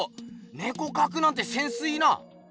ねこかくなんてセンスいいな！